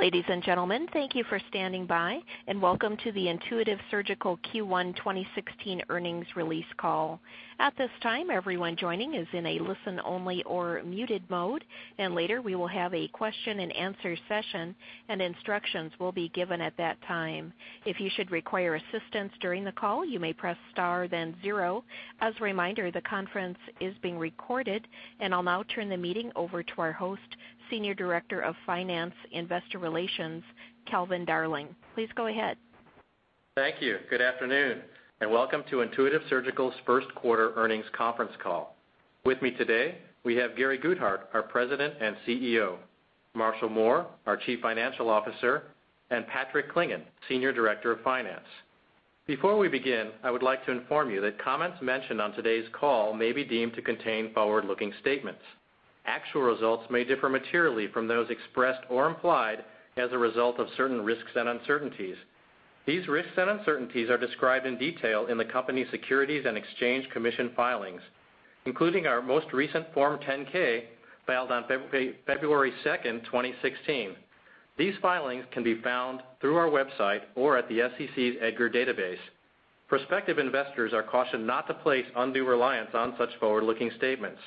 Ladies and gentlemen, thank you for standing by. Welcome to the Intuitive Surgical Q1 2016 earnings release call. At this time, everyone joining is in a listen-only or muted mode. Later, we will have a question and answer session. Instructions will be given at that time. If you should require assistance during the call, you may press star then zero. As a reminder, the conference is being recorded. I'll now turn the meeting over to our host, Senior Director of Finance Investor Relations, Calvin Darling. Please go ahead. Thank you. Good afternoon. Welcome to Intuitive Surgical's first quarter earnings conference call. With me today, we have Gary Guthart, our President and CEO, Marshall Mohr, our Chief Financial Officer, and Patrick Clingan, Senior Director of Finance. Before we begin, I would like to inform you that comments mentioned on today's call may be deemed to contain forward-looking statements. Actual results may differ materially from those expressed or implied as a result of certain risks and uncertainties. These risks and uncertainties are described in detail in the company's Securities and Exchange Commission filings, including our most recent Form 10-K filed on February 2nd, 2016. These filings can be found through our website or at the SEC's EDGAR database. Prospective investors are cautioned not to place undue reliance on such forward-looking statements.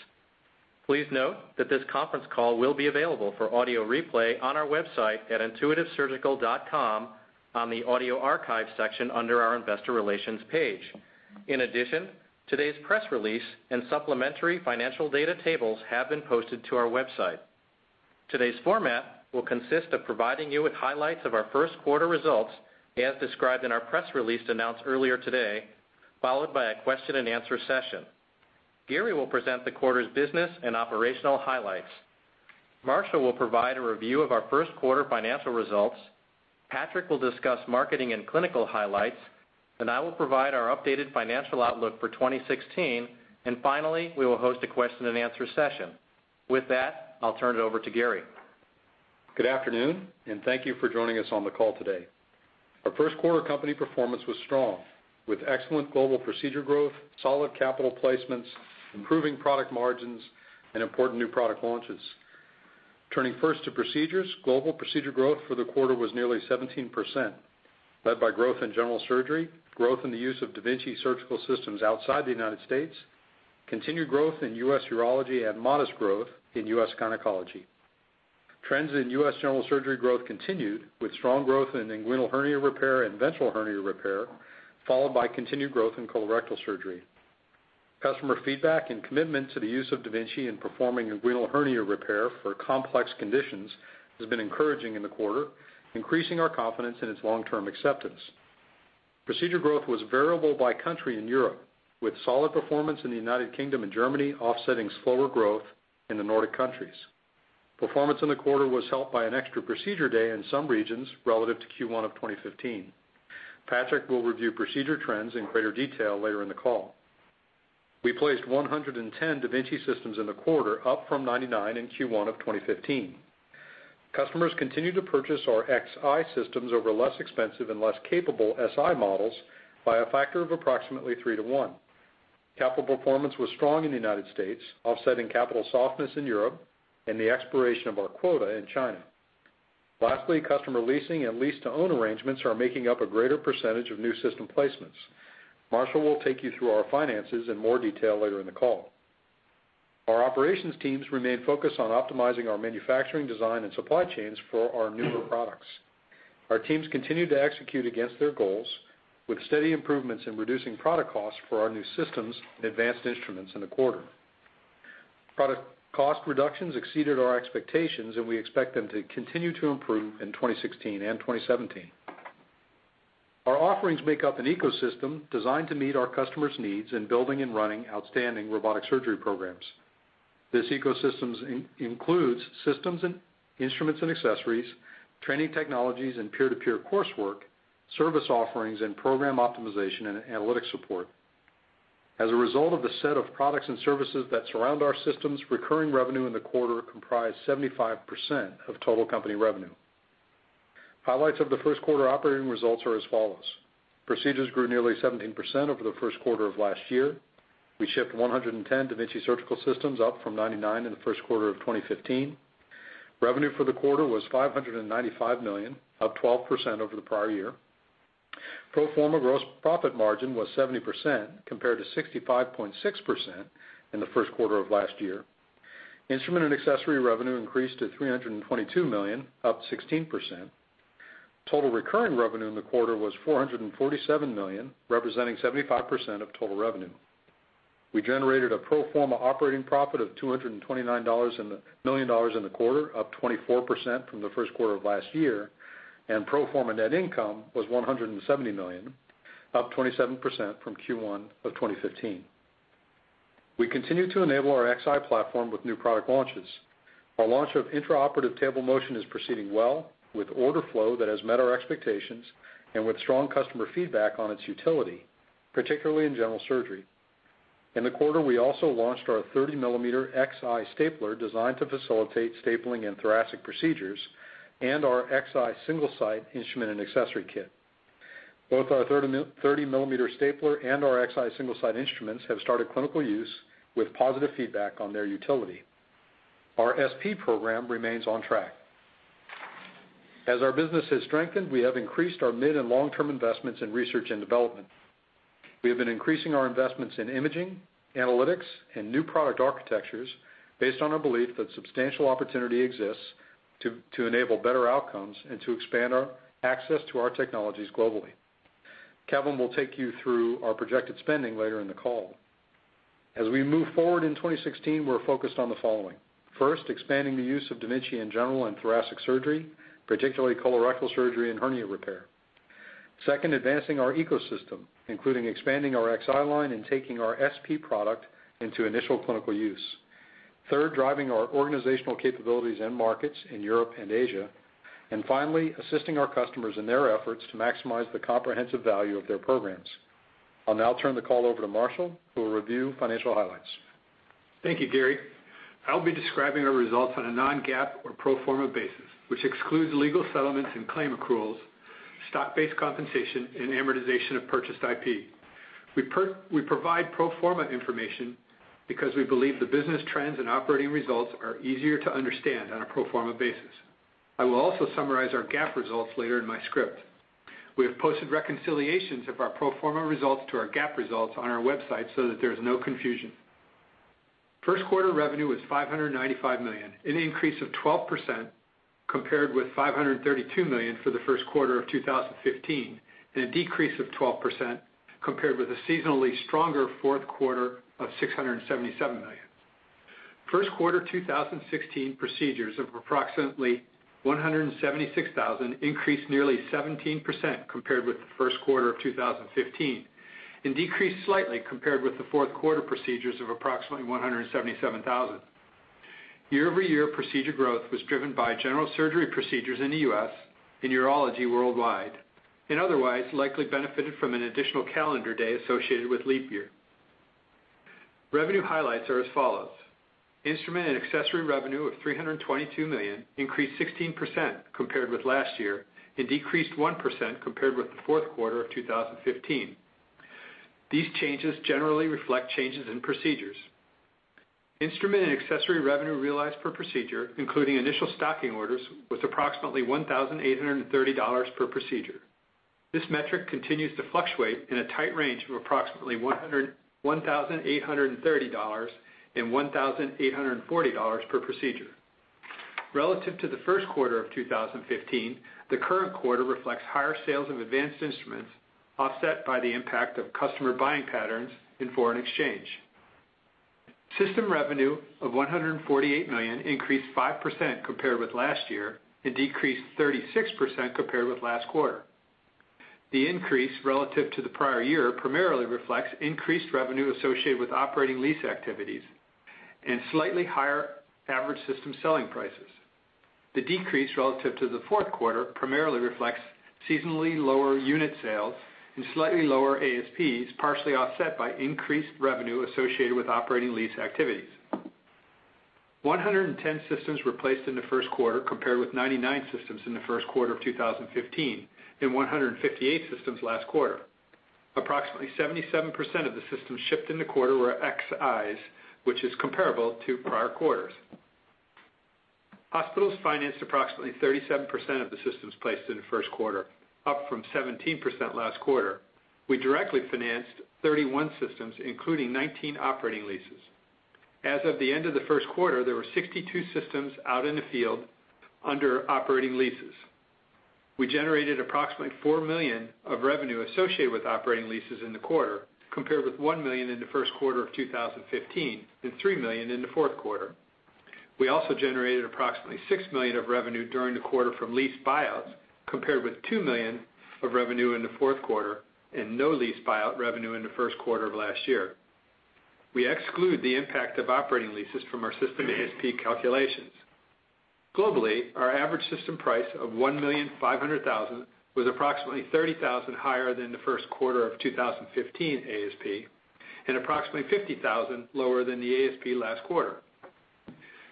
Please note that this conference call will be available for audio replay on our website at intuitivesurgical.com on the audio archive section under our investor relations page. In addition, today's press release and supplementary financial data tables have been posted to our website. Today's format will consist of providing you with highlights of our first quarter results, as described in our press release announced earlier today, followed by a question and answer session. Gary will present the quarter's business and operational highlights. Marshall will provide a review of our first quarter financial results. Patrick will discuss marketing and clinical highlights. I will provide our updated financial outlook for 2016. Finally, we will host a question and answer session. With that, I'll turn it over to Gary. Good afternoon. Thank you for joining us on the call today. Our first quarter company performance was strong, with excellent global procedure growth, solid capital placements, improving product margins, and important new product launches. Turning first to procedures, global procedure growth for the quarter was nearly 17%, led by growth in general surgery, growth in the use of da Vinci surgical systems outside the U.S., continued growth in U.S. urology, and modest growth in U.S. gynecology. Trends in U.S. general surgery growth continued with strong growth in inguinal hernia repair and ventral hernia repair, followed by continued growth in colorectal surgery. Customer feedback and commitment to the use of da Vinci in performing inguinal hernia repair for complex conditions has been encouraging in the quarter, increasing our confidence in its long-term acceptance. Procedure growth was variable by country in Europe, with solid performance in the U.K. and Germany offsetting slower growth in the Nordic countries. Performance in the quarter was helped by an extra procedure day in some regions relative to Q1 2015. Patrick will review procedure trends in greater detail later in the call. We placed 110 da Vinci systems in the quarter, up from 99 in Q1 2015. Customers continued to purchase our Xi systems over less expensive and less capable Si models by a factor of approximately 3 to 1. Capital performance was strong in the U.S., offsetting capital softness in Europe and the expiration of our quota in China. Lastly, customer leasing and lease-to-own arrangements are making up a greater percentage of new system placements. Marshall will take you through our finances in more detail later in the call. Our operations teams remain focused on optimizing our manufacturing design and supply chains for our newer products. Our teams continued to execute against their goals with steady improvements in reducing product costs for our new systems and advanced instruments in the quarter. Product cost reductions exceeded our expectations, and we expect them to continue to improve in 2016 and 2017. Our offerings make up an ecosystem designed to meet our customers' needs in building and running outstanding robotic surgery programs. This ecosystem includes systems and instruments and accessories, training technologies and peer-to-peer coursework, service offerings, and program optimization and analytics support. As a result of the set of products and services that surround our systems, recurring revenue in the quarter comprised 75% of total company revenue. Highlights of the first quarter operating results are as follows. Procedures grew nearly 17% over the first quarter of last year. We shipped 110 da Vinci surgical systems, up from 99 in the first quarter of 2015. Revenue for the quarter was $595 million, up 12% over the prior year. Pro forma gross profit margin was 70%, compared to 65.6% in the first quarter of last year. Instrument and accessory revenue increased to $322 million, up 16%. Total recurring revenue in the quarter was $447 million, representing 75% of total revenue. We generated a pro forma operating profit of $229 million in the quarter, up 24% from the first quarter of last year, and pro forma net income was $170 million, up 27% from Q1 2015. We continue to enable our Xi platform with new product launches. Our launch of intraoperative table motion is proceeding well, with order flow that has met our expectations and with strong customer feedback on its utility, particularly in general surgery. In the quarter, we also launched our 30-millimeter Xi stapler, designed to facilitate stapling and thoracic procedures, and our Xi Single-Site instrument and accessory kit. Both our 30-millimeter stapler and our Xi Single-Site instruments have started clinical use with positive feedback on their utility. Our SP program remains on track. As our business has strengthened, we have increased our mid and long-term investments in research and development. We have been increasing our investments in imaging, analytics, and new product architectures based on our belief that substantial opportunity exists to enable better outcomes and to expand our access to our technologies globally. Calvin will take you through our projected spending later in the call. As we move forward in 2016, we're focused on the following. First, expanding the use of da Vinci in general and thoracic surgery, particularly colorectal surgery and hernia repair. Second, advancing our ecosystem, including expanding our Xi line and taking our SP product into initial clinical use. Third, driving our organizational capabilities and markets in Europe and Asia. Finally, assisting our customers in their efforts to maximize the comprehensive value of their programs. I will now turn the call over to Marshall, who will review financial highlights. Thank you, Gary. I will be describing our results on a non-GAAP or pro forma basis, which excludes legal settlements and claim accruals, stock-based compensation, and amortization of purchased IP. We provide pro forma information because we believe the business trends and operating results are easier to understand on a pro forma basis. I will also summarize our GAAP results later in my script. We have posted reconciliations of our pro forma results to our GAAP results on our website so that there is no confusion. First quarter revenue was $595 million, an increase of 12% compared with $532 million for the first quarter of 2015, and a decrease of 12% compared with the seasonally stronger fourth quarter of $677 million. First quarter 2016 procedures of approximately 176,000 increased nearly 17% compared with the first quarter of 2015, and decreased slightly compared with the fourth quarter procedures of approximately 177,000. Year-over-year procedure growth was driven by general surgery procedures in the U.S. and urology worldwide. Otherwise, likely benefited from an additional calendar day associated with leap year. Revenue highlights are as follows. Instrument and accessory revenue of $322 million increased 16% compared with last year and decreased 1% compared with the fourth quarter of 2015. These changes generally reflect changes in procedures. Instrument and accessory revenue realized per procedure, including initial stocking orders, was approximately $1,830 per procedure. This metric continues to fluctuate in a tight range of approximately $1,830 and $1,840 per procedure. Relative to the first quarter of 2015, the current quarter reflects higher sales of advanced instruments offset by the impact of customer buying patterns and foreign exchange. System revenue of $148 million increased 5% compared with last year and decreased 36% compared with last quarter. The increase relative to the prior year primarily reflects increased revenue associated with operating lease activities and slightly higher average system selling prices. The decrease relative to the fourth quarter primarily reflects seasonally lower unit sales and slightly lower ASPs, partially offset by increased revenue associated with operating lease activities. 110 systems were placed in the first quarter, compared with 99 systems in the first quarter of 2015 and 158 systems last quarter. Approximately 77% of the systems shipped in the quarter were Xis, which is comparable to prior quarters. Hospitals financed approximately 37% of the systems placed in the first quarter, up from 17% last quarter. We directly financed 31 systems, including 19 operating leases. As of the end of the first quarter, there were 62 systems out in the field under operating leases. We generated approximately $4 million of revenue associated with operating leases in the quarter, compared with $1 million in the first quarter of 2015 and $3 million in the fourth quarter. We also generated approximately $6 million of revenue during the quarter from lease buyouts, compared with $2 million of revenue in the fourth quarter and no lease buyout revenue in the first quarter of last year. We exclude the impact of operating leases from our system ASP calculations. Globally, our average system price of $1,500,000 was approximately $30,000 higher than the first quarter of 2015 ASP and approximately $50,000 lower than the ASP last quarter.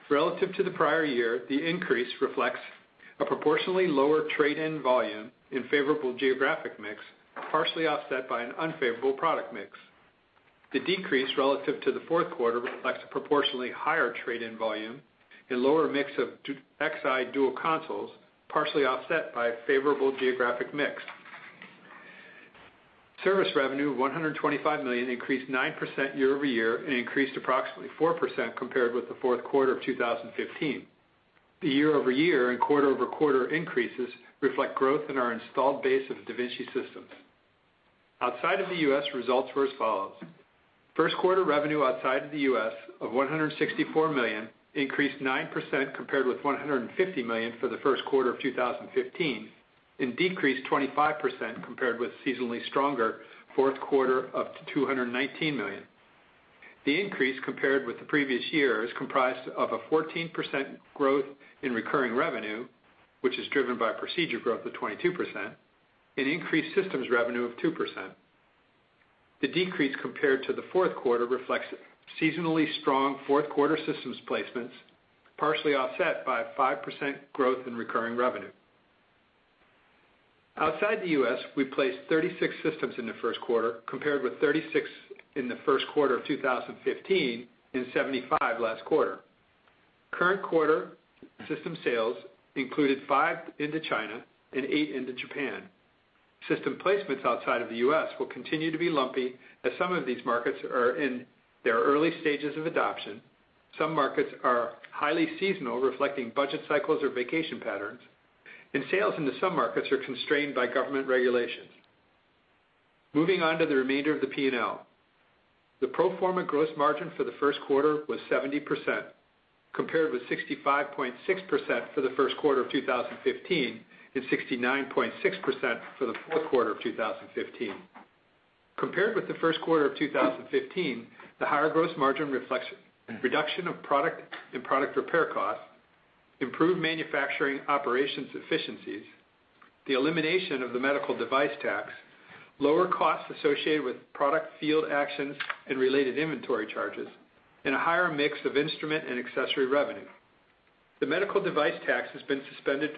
Relative to the prior year, the increase reflects a proportionally lower trade-in volume and favorable geographic mix, partially offset by an unfavorable product mix. The decrease relative to the fourth quarter reflects a proportionally higher trade-in volume and lower mix of Xi dual consoles, partially offset by a favorable geographic mix. Service revenue of $125 million increased 9% year-over-year and increased approximately 4% compared with the fourth quarter of 2015. The year-over-year and quarter-over-quarter increases reflect growth in our installed base of da Vinci systems. Outside of the U.S., results were as follows. First quarter revenue outside of the U.S. of $164 million increased 9% compared with $150 million for the first quarter of 2015, and decreased 25% compared with seasonally stronger fourth quarter up to $219 million. The increase compared with the previous year is comprised of a 14% growth in recurring revenue, which is driven by procedure growth of 22%, and increased systems revenue of 2%. The decrease compared to the fourth quarter reflects seasonally strong fourth quarter systems placements, partially offset by 5% growth in recurring revenue. Outside the U.S., we placed 36 systems in the first quarter, compared with 36 in the first quarter of 2015 and 75 last quarter. Current quarter system sales included five into China and eight into Japan. System placements outside of the U.S. will continue to be lumpy, as some of these markets are in their early stages of adoption. Some markets are highly seasonal, reflecting budget cycles or vacation patterns. Sales into some markets are constrained by government regulations. Moving on to the remainder of the P&L. The pro forma gross margin for the first quarter was 70%, compared with 65.6% for the first quarter of 2015 and 69.6% for the fourth quarter of 2015. Compared with the first quarter of 2015, the higher gross margin reflects reduction in product repair costs, improved manufacturing operations efficiencies, the elimination of the medical device tax, lower costs associated with product field actions and related inventory charges, and a higher mix of instrument and accessory revenue. The medical device tax has been suspended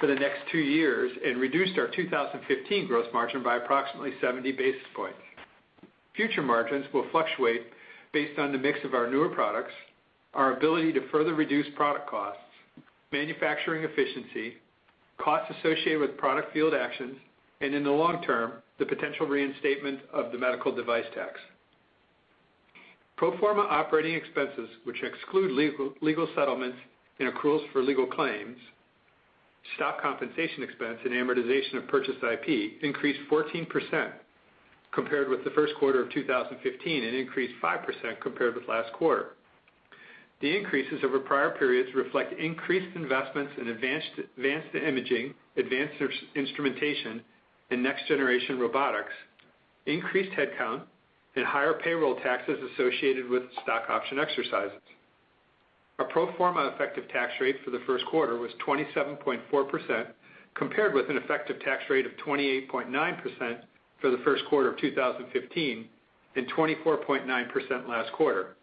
for the next two years and reduced our 2015 gross margin by approximately 70 basis points. Future margins will fluctuate based on the mix of our newer products, our ability to further reduce product costs, manufacturing efficiency, costs associated with product field actions, and in the long term, the potential reinstatement of the medical device tax. Pro forma operating expenses, which exclude legal settlements and accruals for legal claims, stock compensation expense, and amortization of purchased IP, increased 14% compared with the first quarter of 2015 and increased 5% compared with last quarter. The increases over prior periods reflect increased investments in advanced imaging, advanced instrumentation, and next generation robotics, increased headcount, and higher payroll taxes associated with stock option exercises. Our pro forma effective tax rate for the first quarter was 27.4%, compared with an effective tax rate of 28.9% for the first quarter of 2015 and 24.9% last quarter.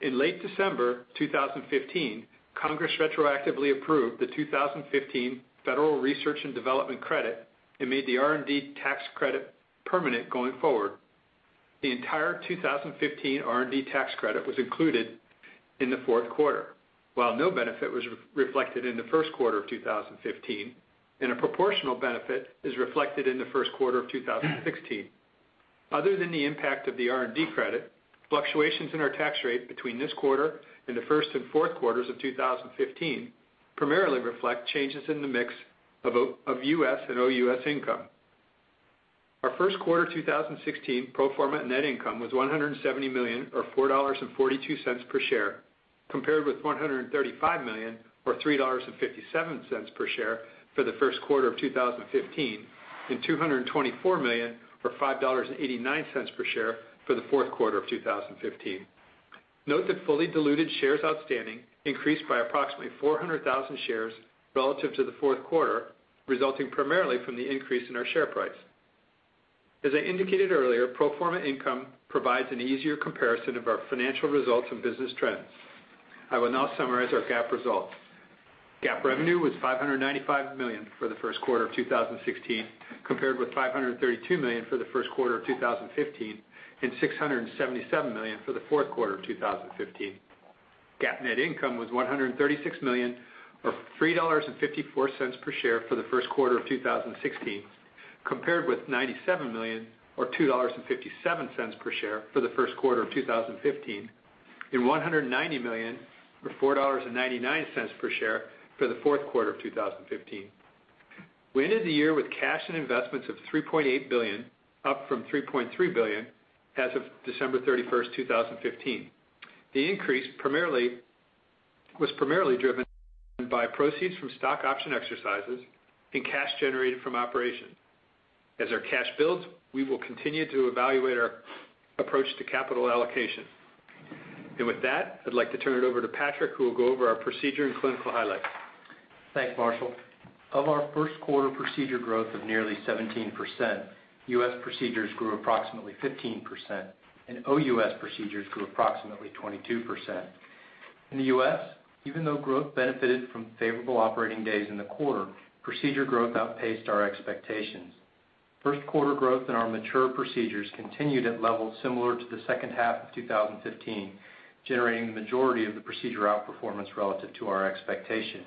In late December 2015, United States Congress retroactively approved the 2015 Federal Research and Development Credit and made the R&D tax credit permanent going forward. The entire 2015 R&D tax credit was included in the fourth quarter. While no benefit was reflected in the first quarter of 2015, a proportional benefit is reflected in the first quarter of 2016. Other than the impact of the R&D credit, fluctuations in our tax rate between this quarter and the first and fourth quarters of 2015 primarily reflect changes in the mix of U.S. and OUS income. Our first quarter 2016 pro forma net income was $170 million, or $4.42 per share, compared with $135 million, or $3.57 per share for the first quarter of 2015 and $224 million, or $5.89 per share for the fourth quarter of 2015. Note that fully diluted shares outstanding increased by approximately 400,000 shares relative to the fourth quarter, resulting primarily from the increase in our share price. As I indicated earlier, pro forma income provides an easier comparison of our financial results and business trends. I will now summarize our GAAP results. GAAP revenue was $595 million for the first quarter of 2016, compared with $532 million for the first quarter of 2015 and $677 million for the fourth quarter of 2015. GAAP net income was $136 million, or $3.54 per share for the first quarter of 2016, compared with $97 million, or $2.57 per share for the first quarter of 2015 and $190 million, or $4.99 per share for the fourth quarter of 2015. We ended the year with cash and investments of $3.8 billion, up from $3.3 billion as of December 31, 2015. The increase was primarily driven by proceeds from stock option exercises and cash generated from operations. As our cash builds, we will continue to evaluate our approach to capital allocation. With that, I'd like to turn it over to Patrick, who will go over our procedure and clinical highlights. Thanks, Marshall. Of our first quarter procedure growth of nearly 17%, U.S. procedures grew approximately 15% and OUS procedures grew approximately 22%. In the U.S., even though growth benefited from favorable operating days in the quarter, procedure growth outpaced our expectations. First quarter growth in our mature procedures continued at levels similar to the second half of 2015, generating the majority of the procedure outperformance relative to our expectation.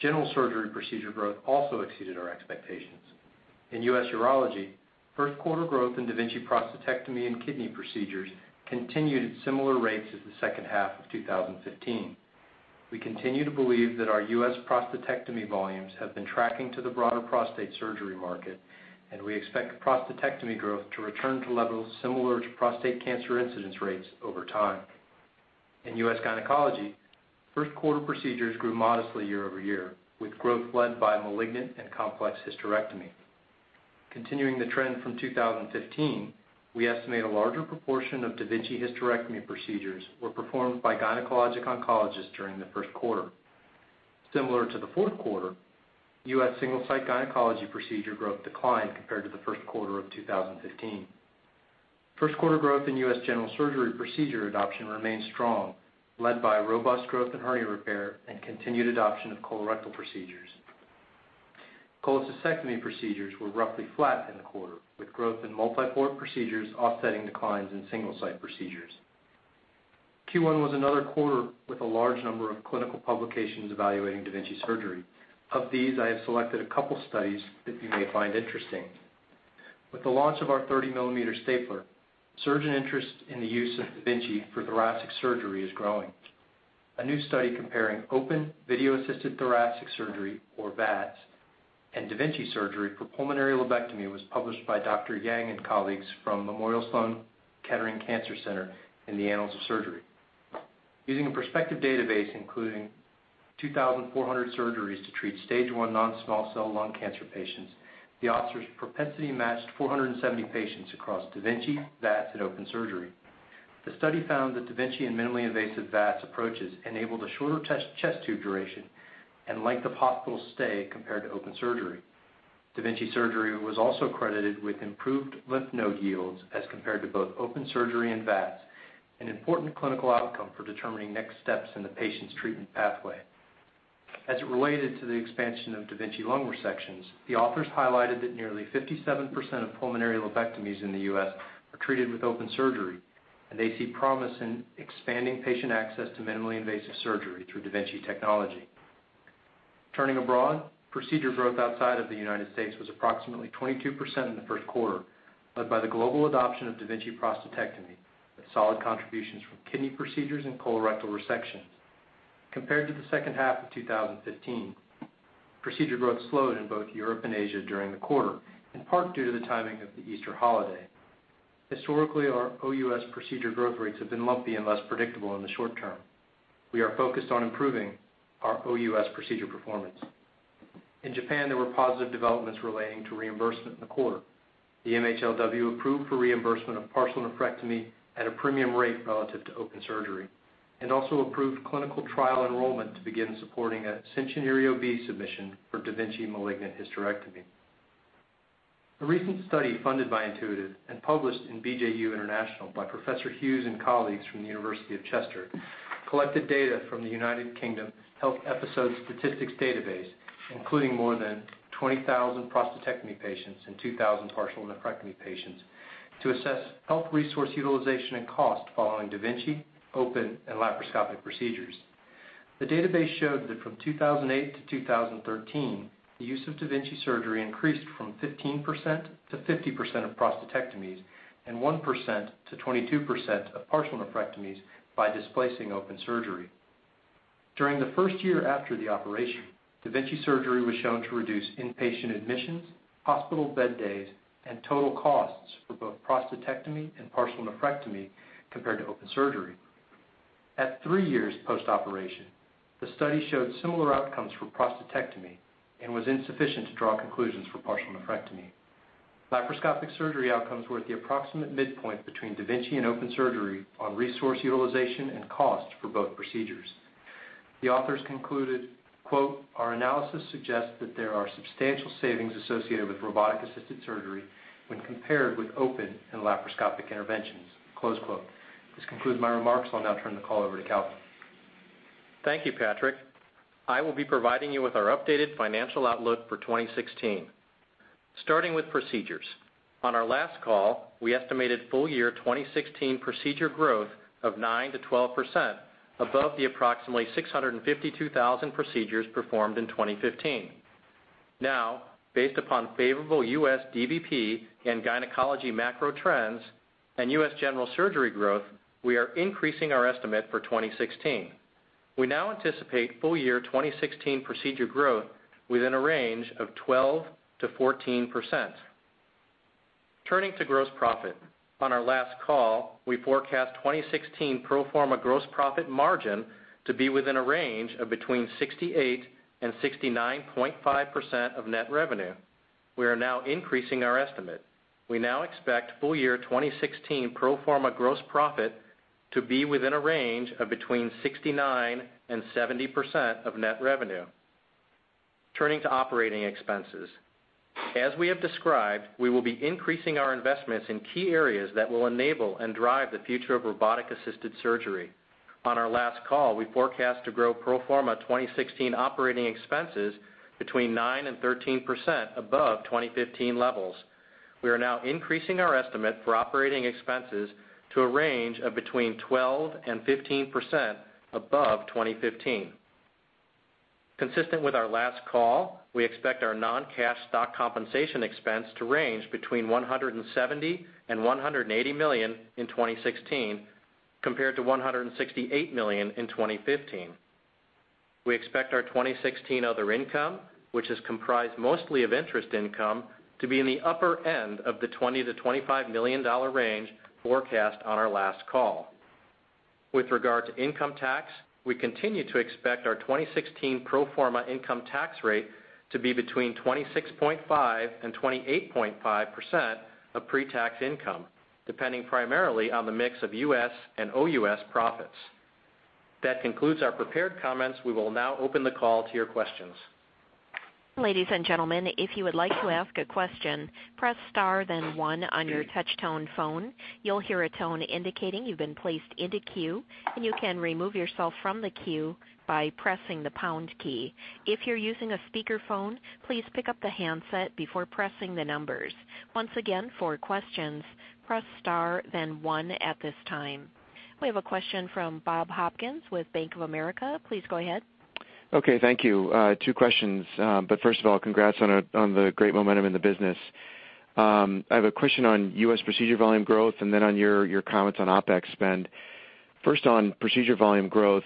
General surgery procedure growth also exceeded our expectations. In U.S. urology, first quarter growth in da Vinci prostatectomy and kidney procedures continued at similar rates as the second half of 2015. We continue to believe that our U.S. prostatectomy volumes have been tracking to the broader prostate surgery market, and we expect prostatectomy growth to return to levels similar to prostate cancer incidence rates over time. In U.S. gynecology, first quarter procedures grew modestly year-over-year, with growth led by malignant and complex hysterectomy. Continuing the trend from 2015, we estimate a larger proportion of da Vinci hysterectomy procedures were performed by gynecologic oncologists during the first quarter. Similar to the fourth quarter, U.S. single-site gynecology procedure growth declined compared to the first quarter of 2015. First quarter growth in U.S. general surgery procedure adoption remained strong, led by robust growth in hernia repair and continued adoption of colorectal procedures. Colectomy procedures were roughly flat in the quarter, with growth in multi-port procedures offsetting declines in single-site procedures. Q1 was another quarter with a large number of clinical publications evaluating da Vinci surgery. Of these, I have selected a couple studies that you may find interesting. With the launch of our 30-millimeter stapler, surgeon interest in the use of da Vinci for thoracic surgery is growing. A new study comparing open video-assisted thoracic surgery, or VATS, and da Vinci surgery for pulmonary lobectomy was published by Dr. Yang and colleagues from Memorial Sloan Kettering Cancer Center in the "Annals of Surgery." Using a prospective database including 2,400 surgeries to treat stage 1 non-small cell lung cancer patients, the authors propensity matched 470 patients across da Vinci, VATS, and open surgery. The study found that da Vinci and minimally invasive VATS approaches enabled a shorter chest tube duration and length of hospital stay compared to open surgery. Da Vinci surgery was also credited with improved lymph node yields as compared to both open surgery and VATS, an important clinical outcome for determining next steps in the patient's treatment pathway. As it related to the expansion of da Vinci lung resections, the authors highlighted that nearly 57% of pulmonary lobectomies in the U.S. are treated with open surgery. They see promise in expanding patient access to minimally invasive surgery through da Vinci technology. Turning abroad, procedure growth outside of the U.S. was approximately 22% in the first quarter, led by the global adoption of da Vinci prostatectomy, with solid contributions from kidney procedures and colorectal resections. Compared to the second half of 2015, procedure growth slowed in both Europe and Asia during the quarter, in part due to the timing of the Easter holiday. Historically, our OUS procedure growth rates have been lumpy and less predictable in the short term. We are focused on improving our OUS procedure performance. In Japan, there were positive developments relating to reimbursement in the quarter. The MHLW approved for reimbursement of partial nephrectomy at a premium rate relative to open surgery and also approved clinical trial enrollment to begin supporting a Shonin d-bi submission for da Vinci malignant hysterectomy. A recent study funded by Intuitive and published in "BJU International" by Professor Hughes and colleagues from the University of Chester collected data from the United Kingdom Hospital Episode Statistics Database, including more than 20,000 prostatectomy patients and 2,000 partial nephrectomy patients, to assess health resource utilization and cost following da Vinci, open, and laparoscopic procedures. The database showed that from 2008 to 2013, the use of da Vinci surgery increased from 15%-50% of prostatectomies and 1%-22% of partial nephrectomies by displacing open surgery. During the first year after the operation, da Vinci surgery was shown to reduce inpatient admissions, hospital bed days, and total costs for both prostatectomy and partial nephrectomy compared to open surgery. At three years post-operation, the study showed similar outcomes for prostatectomy and was insufficient to draw conclusions for partial nephrectomy. Laparoscopic surgery outcomes were at the approximate midpoint between da Vinci and open surgery on resource utilization and cost for both procedures. The authors concluded, quote, "Our analysis suggests that there are substantial savings associated with robotic-assisted surgery when compared with open and laparoscopic interventions." Close quote. This concludes my remarks. I'll now turn the call over to Calvin. Thank you, Patrick. I will be providing you with our updated financial outlook for 2016. Starting with procedures, on our last call, we estimated full year 2016 procedure growth of 9%-12% above the approximately 652,000 procedures performed in 2015. Based upon favorable U.S. DVP and gynecology macro trends and U.S. general surgery growth, we are increasing our estimate for 2016. We now anticipate full year 2016 procedure growth within a range of 12%-14%. Turning to gross profit, on our last call, we forecast 2016 pro forma gross profit margin to be within a range of between 68% and 69.5% of net revenue. We are now increasing our estimate. We now expect full year 2016 pro forma gross profit to be within a range of between 69% and 70% of net revenue. Turning to operating expenses. We will be increasing our investments in key areas that will enable and drive the future of robotic-assisted surgery. On our last call, we forecast to grow pro forma 2016 operating expenses between 9% and 13% above 2015 levels. We are now increasing our estimate for operating expenses to a range of between 12% and 15% above 2015. Consistent with our last call, we expect our non-cash stock compensation expense to range between $170 million and $180 million in 2016, compared to $168 million in 2015. We expect our 2016 other income, which is comprised mostly of interest income, to be in the upper end of the $20 million-$25 million range forecast on our last call. With regard to income tax, we continue to expect our 2016 pro forma income tax rate to be between 26.5% and 28.5% of pre-tax income, depending primarily on the mix of U.S. and OUS profits. That concludes our prepared comments. We will now open the call to your questions. Ladies and gentlemen, if you would like to ask a question, press star then one on your touch-tone phone. You'll hear a tone indicating you've been placed in a queue, and you can remove yourself from the queue by pressing the pound key. If you're using a speakerphone, please pick up the handset before pressing the numbers. Once again, for questions, press star then one at this time. We have a question from Bob Hopkins with Bank of America. Please go ahead. Okay. Thank you. Two questions. First of all, congrats on the great momentum in the business. I have a question on U.S. procedure volume growth and then on your comments on OpEx spend. First on procedure volume growth.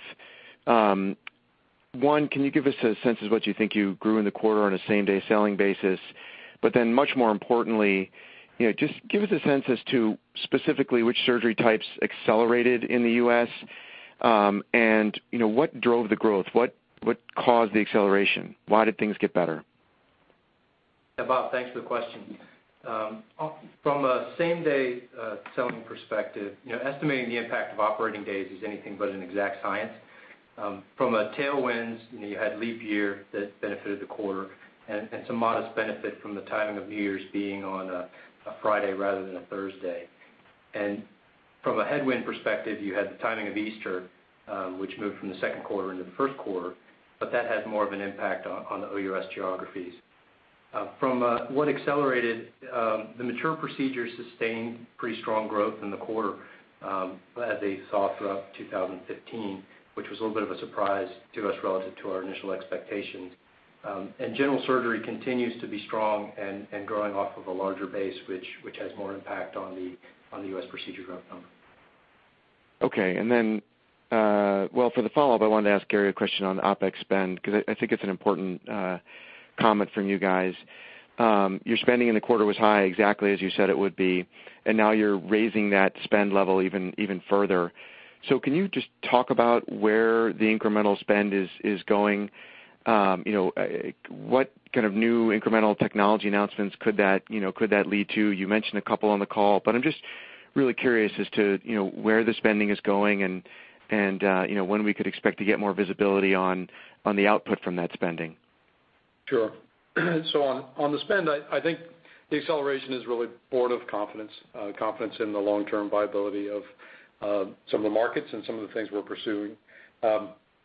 One, can you give us a sense of what you think you grew in the quarter on a same-day selling basis? Much more importantly, just give us a sense as to specifically which surgery types accelerated in the U.S., and what drove the growth? What caused the acceleration? Why did things get better? Yeah, Bob, thanks for the question. From a same-day selling perspective, estimating the impact of operating days is anything but an exact science. From a tailwind, you had leap year that benefited the quarter, and some modest benefit from the timing of New Year's being on a Friday rather than a Thursday. From a headwind perspective, you had the timing of Easter, which moved from the second quarter into the first quarter, but that has more of an impact on the OUS geographies. From what accelerated, the mature procedures sustained pretty strong growth in the quarter as they saw throughout 2015, which was a little bit of a surprise to us relative to our initial expectations. General surgery continues to be strong and growing off of a larger base, which has more impact on the U.S. procedure growth number. Okay. Well, for the follow-up, I wanted to ask Gary a question on OpEx spend, because I think it's an important comment from you guys. Your spending in the quarter was high, exactly as you said it would be, now you're raising that spend level even further. Can you just talk about where the incremental spend is going? What kind of new incremental technology announcements could that lead to? You mentioned a couple on the call, I'm just really curious as to where the spending is going and when we could expect to get more visibility on the output from that spending. Sure. On the spend, I think the acceleration is really born of confidence. Confidence in the long-term viability of some of the markets and some of the things we're pursuing.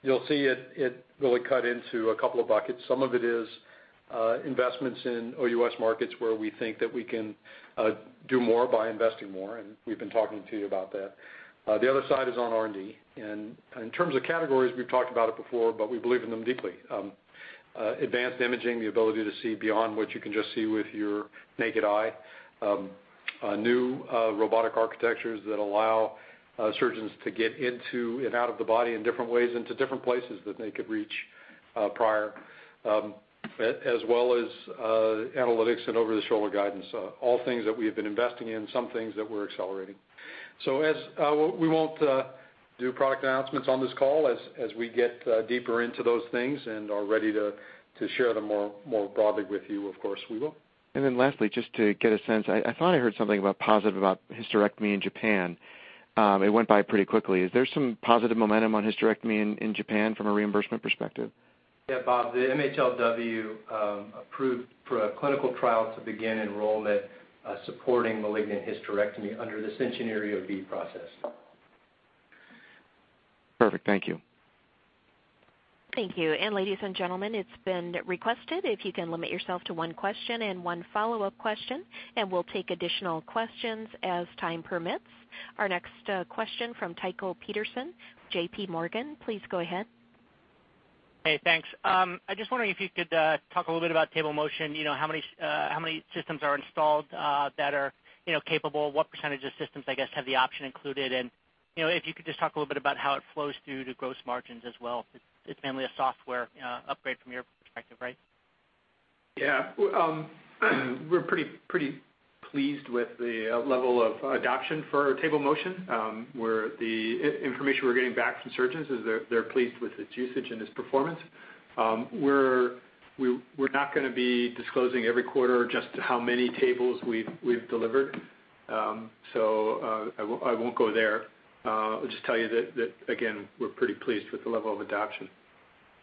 You'll see it really cut into a couple of buckets. Some of it is investments in OUS markets where we think that we can do more by investing more, and we've been talking to you about that. The other side is on R&D. In terms of categories, we've talked about it before, but we believe in them deeply. Advanced imaging, the ability to see beyond what you can just see with your naked eye. New robotic architectures that allow surgeons to get into and out of the body in different ways, into different places that they could reach prior, as well as analytics and over-the-shoulder guidance. All things that we have been investing in, some things that we're accelerating. We won't do product announcements on this call. As we get deeper into those things and are ready to share them more broadly with you, of course, we will. Lastly, just to get a sense, I thought I heard something positive about hysterectomy in Japan. It went by pretty quickly. Is there some positive momentum on hysterectomy in Japan from a reimbursement perspective? Yeah, Bob, the MHLW approved for a clinical trial to begin enrollment supporting malignant hysterectomy under the 1010 OEB process. Perfect. Thank you. Thank you. Ladies and gentlemen, it's been requested, if you can limit yourself to one question and one follow-up question, and we'll take additional questions as time permits. Our next question from Tycho Peterson, J.P. Morgan. Please go ahead. Hey, thanks. I'm just wondering if you could talk a little bit about table motion. How many systems are installed that are capable? What percentage of systems, I guess, have the option included? If you could just talk a little bit about how it flows through to gross margins as well. It's mainly a software upgrade from your perspective, right? Yeah. We're pretty pleased with the level of adoption for table motion, where the information we're getting back from surgeons is they're pleased with its usage and its performance. We're not going to be disclosing every quarter just how many tables we've delivered. I won't go there. I'll just tell you that again, we're pretty pleased with the level of adoption.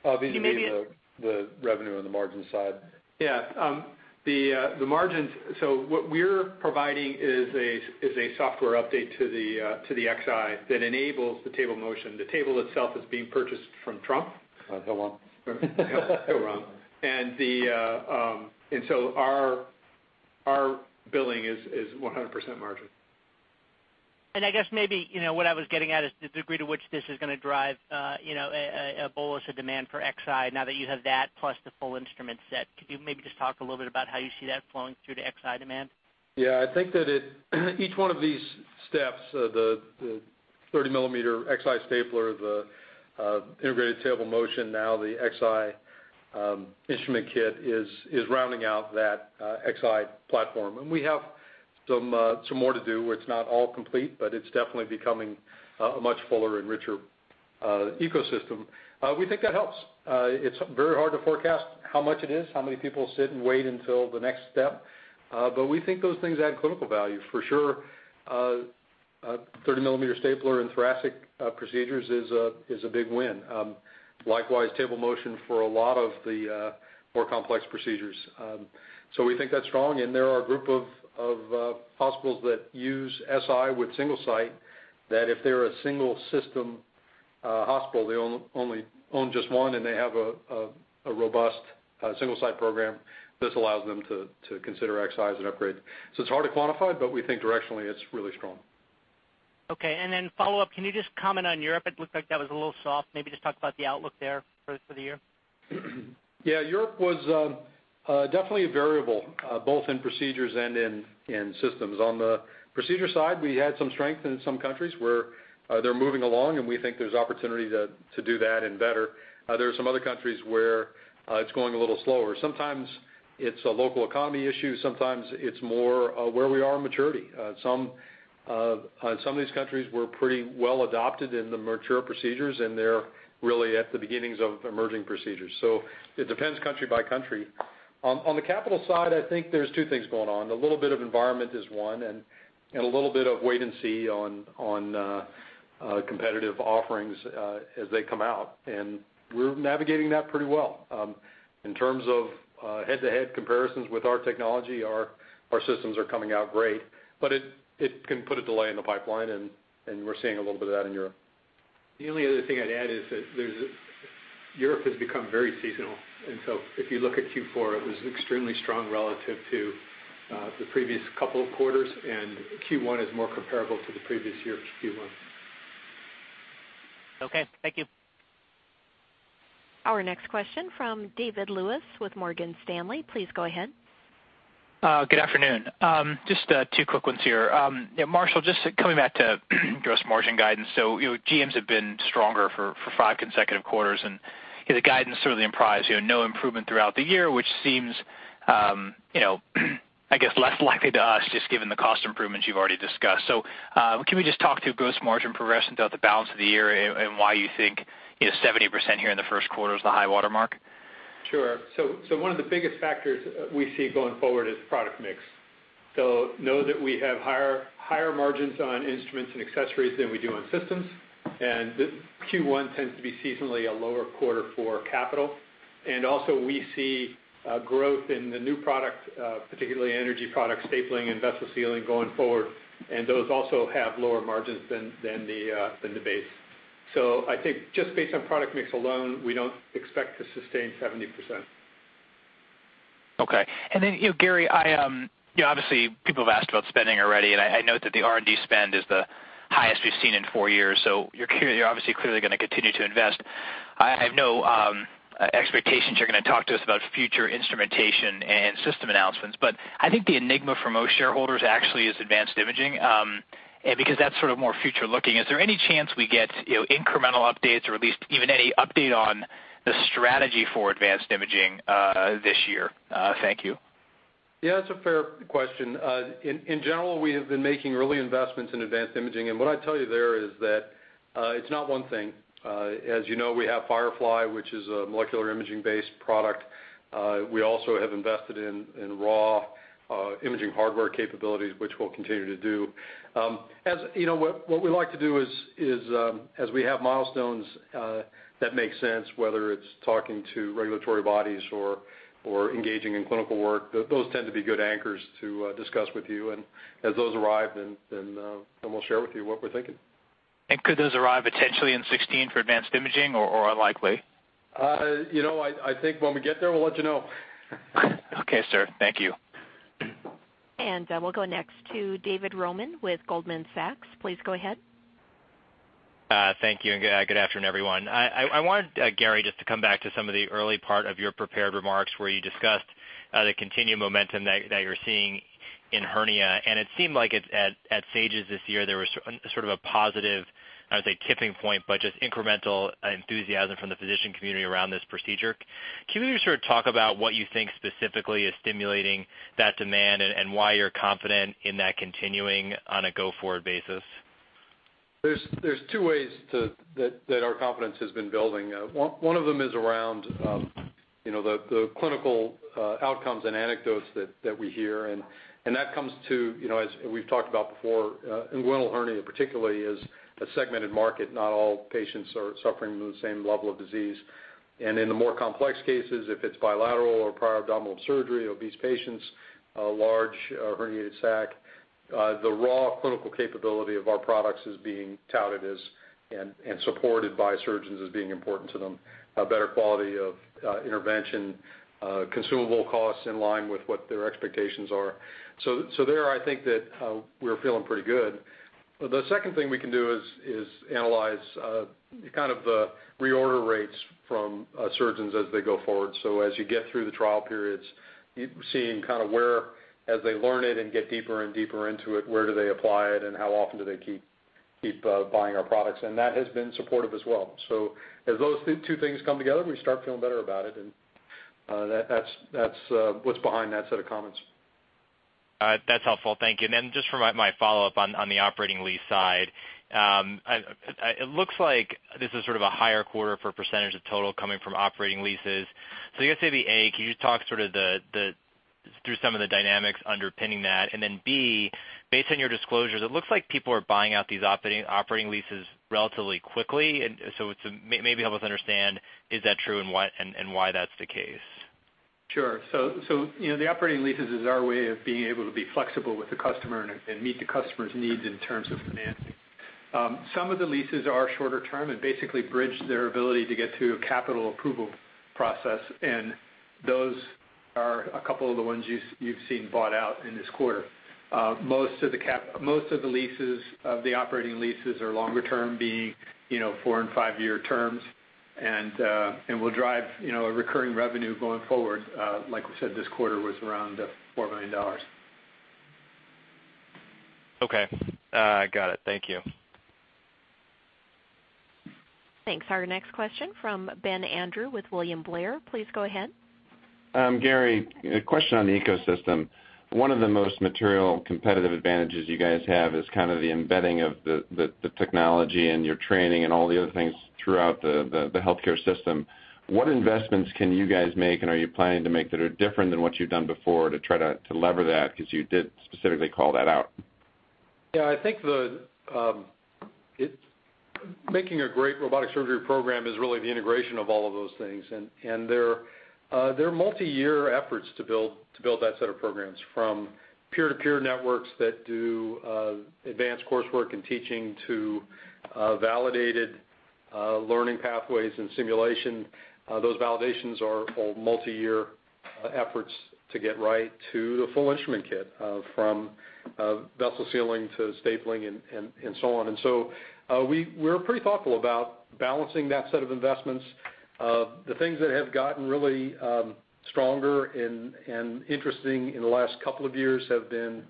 You maybe- The revenue on the margin side. Yeah. The margins, what we're providing is a software update to the Xi that enables the table motion. The table itself is being purchased from TRUMPF. Oh, hello. Our billing is 100% margin. I guess maybe what I was getting at is the degree to which this is going to drive a bullish demand for Xi now that you have that plus the full instrument set. Could you maybe just talk a little bit about how you see that flowing through to Xi demand? I think that each one of these steps, the 30-millimeter Xi stapler, the integrated table motion, now the Xi instrument kit is rounding out that Xi platform. We have some more to do. It's not all complete, but it's definitely becoming a much fuller and richer ecosystem. We think that helps. It's very hard to forecast how much it is, how many people sit and wait until the next step, but we think those things add clinical value for sure. A 30-millimeter stapler in thoracic procedures is a big win. Likewise, table motion for a lot of the more complex procedures. We think that's strong, and there are a group of hospitals that use Si with single site, that if they're a single system hospital, they own just one, and they have a robust single site program. This allows them to consider Xi-ize and upgrade. It's hard to quantify, but we think directionally it's really strong. Okay. Follow up, can you just comment on Europe? It looked like that was a little soft. Maybe just talk about the outlook there for the year. Yeah. Europe was definitely a variable, both in procedures and in systems. On the procedure side, we had some strength in some countries where they're moving along, and we think there's opportunity to do that and better. There are some other countries where it's going a little slower. Sometimes it's a local economy issue, sometimes it's more where we are in maturity. Some of these countries were pretty well adopted in the mature procedures, and they're really at the beginnings of emerging procedures. It depends country by country. On the capital side, I think there's 2 things going on. The little bit of environment is one, and a little bit of wait and see on competitive offerings as they come out, and we're navigating that pretty well. In terms of head-to-head comparisons with our technology, our systems are coming out great, it can put a delay in the pipeline, and we're seeing a little bit of that in Europe. The only other thing I'd add is that Europe has become very seasonal. If you look at Q4, it was extremely strong relative to the previous couple of quarters, and Q1 is more comparable to the previous year's Q1. Okay, thank you. Our next question from David Lewis with Morgan Stanley. Please go ahead. Good afternoon. Just two quick ones here. Marshall, just coming back to gross margin guidance. GMs have been stronger for five consecutive quarters, and the guidance certainly implies no improvement throughout the year, which seems, I guess, less likely to us, just given the cost improvements you've already discussed. Can we just talk to gross margin progression throughout the balance of the year and why you think 70% here in the first quarter is the high watermark? Sure. One of the biggest factors we see going forward is product mix. Know that we have higher margins on instruments and accessories than we do on systems, and Q1 tends to be seasonally a lower quarter for capital. Also we see growth in the new product, particularly energy product stapling and vessel sealing going forward. Those also have lower margins than the base. I think just based on product mix alone, we don't expect to sustain 70%. Gary, obviously people have asked about spending already. I note that the R&D spend is the highest we've seen in four years. You're obviously clearly going to continue to invest. I have no expectations you're going to talk to us about future instrumentation and system announcements, but I think the enigma for most shareholders actually is advanced imaging, because that's sort of more future looking. Is there any chance we get incremental updates or at least even any update on the strategy for advanced imaging this year? Thank you. Yeah. That's a fair question. In general, we have been making early investments in advanced imaging. What I'd tell you there is that it's not one thing. As you know, we have Firefly, which is a molecular imaging based product. We also have invested in raw imaging hardware capabilities, which we'll continue to do. What we like to do is as we have milestones that make sense, whether it's talking to regulatory bodies or engaging in clinical work, those tend to be good anchors to discuss with you. As those arrive, then we'll share with you what we're thinking. Could those arrive potentially in 2016 for advanced imaging or unlikely? I think when we get there, we'll let you know. Okay, sir. Thank you. We'll go next to David Roman with Goldman Sachs. Please go ahead. Thank you. Good afternoon, everyone. I wanted, Gary, just to come back to some of the early part of your prepared remarks where you discussed the continued momentum that you're seeing in hernia. It seemed like at SAGES this year, there was sort of a positive, I would say, tipping point, but just incremental enthusiasm from the physician community around this procedure. Can you just sort of talk about what you think specifically is stimulating that demand and why you're confident in that continuing on a go-forward basis? There's two ways that our confidence has been building. One of them is around the clinical outcomes and anecdotes that we hear, and that comes to, as we've talked about before, inguinal hernia particularly is a segmented market. Not all patients are suffering from the same level of disease. In the more complex cases, if it's bilateral or prior abdominal surgery, obese patients, large herniated sac, the raw clinical capability of our products is being touted as and supported by surgeons as being important to them. A better quality of intervention, consumable costs in line with what their expectations are. There, I think that we're feeling pretty good. The second thing we can do is analyze kind of the reorder rates from surgeons as they go forward. As you get through the trial periods, seeing kind of where as they learn it and get deeper and deeper into it, where do they apply it and how often do they keep buying our products. That has been supportive as well. As those two things come together, we start feeling better about it, and that's what's behind that set of comments. That's helpful. Thank you. Then just for my follow-up on the operating lease side. It looks like this is sort of a higher quarter for percentage of total coming from operating leases. I guess maybe, A, can you talk through some of the dynamics underpinning that. Then B, based on your disclosures, it looks like people are buying out these operating leases relatively quickly. Maybe help us understand is that true and why that's the case. Sure. The operating leases is our way of being able to be flexible with the customer and meet the customer's needs in terms of financing. Some of the leases are shorter term and basically bridge their ability to get through a capital approval process, and those are a couple of the ones you've seen bought out in this quarter. Most of the operating leases are longer term, being four and five-year terms, and will drive a recurring revenue going forward. Like we said, this quarter was around $4 million. Okay. Got it. Thank you. Thanks. Our next question from Ben Andrews with William Blair. Please go ahead. Gary, a question on the ecosystem. One of the most material competitive advantages you guys have is kind of the embedding of the technology and your training and all the other things throughout the healthcare system. What investments can you guys make, and are you planning to make, that are different than what you've done before to try to lever that? You did specifically call that out. Yeah, I think making a great robotic surgery program is really the integration of all of those things. There are multi-year efforts to build that set of programs, from peer-to-peer networks that do advanced coursework and teaching, to validated learning pathways and simulation. Those validations are multi-year efforts to get right to the full instrument kit, from vessel sealing to stapling and so on. We're pretty thoughtful about balancing that set of investments. The things that have gotten really stronger and interesting in the last couple of years have been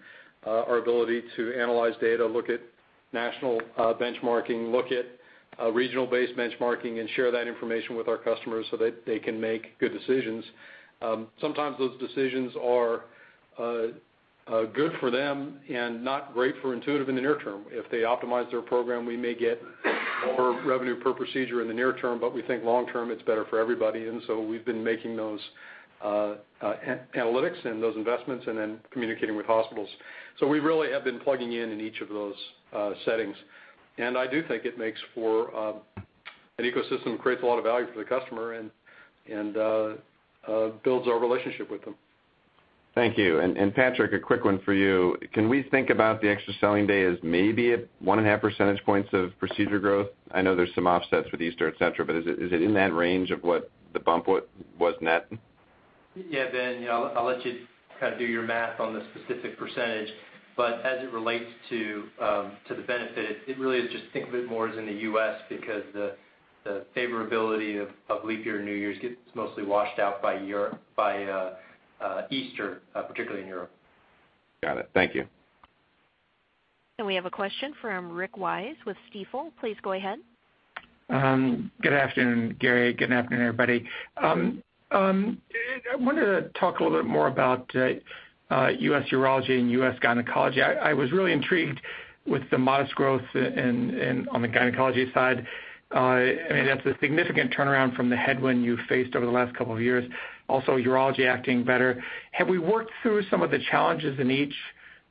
our ability to analyze data, look at national benchmarking, look at regional base benchmarking, and share that information with our customers so that they can make good decisions. Sometimes those decisions are good for them and not great for Intuitive in the near term. If they optimize their program, we may get lower revenue per procedure in the near term, but we think long term, it's better for everybody. We've been making those analytics and those investments and then communicating with hospitals. We really have been plugging in in each of those settings. I do think it makes for an ecosystem that creates a lot of value for the customer and builds our relationship with them. Thank you. Patrick, a quick one for you. Can we think about the extra selling day as maybe a one and a half percentage points of procedure growth? I know there's some offsets with Easter, et cetera, but is it in that range of what the bump was net? Yeah, Ben, I'll let you do your math on the specific percentage, as it relates to the benefit, it really is just think of it more as in the U.S., because the favorability of leap year and New Year's gets mostly washed out by Easter, particularly in Europe. Got it. Thank you. We have a question from Rick Wise with Stifel. Please go ahead. Good afternoon, Gary. Good afternoon, everybody. I wanted to talk a little bit more about U.S. urology and U.S. gynecology. I was really intrigued with the modest growth on the gynecology side. That's a significant turnaround from the headwind you faced over the last couple of years. Also, urology acting better. Have we worked through some of the challenges in each,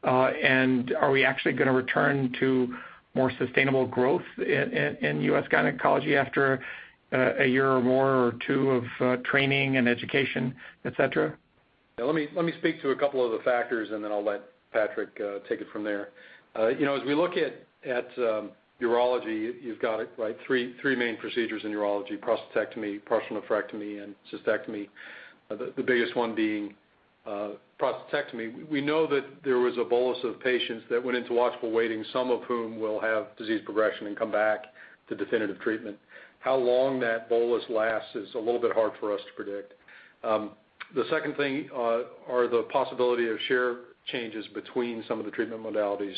and are we actually going to return to more sustainable growth in U.S. gynecology after a year or more or two of training and education, et cetera? Let me speak to a couple of the factors, then I'll let Patrick take it from there. As we look at urology, you've got it like three main procedures in urology, prostatectomy, partial nephrectomy, and cystectomy. The biggest one being prostatectomy. We know that there was a bolus of patients that went into watchful waiting, some of whom will have disease progression and come back to definitive treatment. How long that bolus lasts is a little bit hard for us to predict. The second thing are the possibility of share changes between some of the treatment modalities,